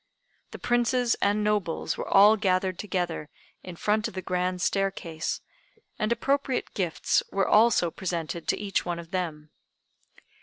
The princes and nobles were all gathered together in front of the grand staircase, and appropriate gifts were also presented to each one of them.